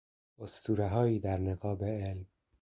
اسطورههایی در نقاب علم